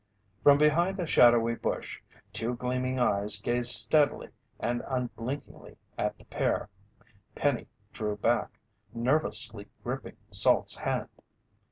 From behind a shadowy bush, two gleaming eyes gazed steadily and unblinkingly at the pair. Penny drew back, nervously gripping Salt's hand.